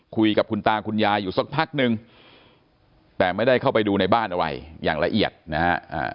คุยกับคุณตาคุณยายอยู่สักพักนึงแต่ไม่ได้เข้าไปดูในบ้านอะไรอย่างละเอียดนะฮะ